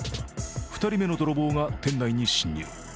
２人目の泥棒が店内に侵入。